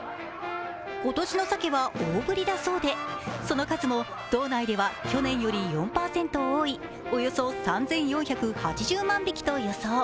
今年のさけは大ぶりだそうで、その数も道内では去年より４％多い、およそ３４８０万匹と予想。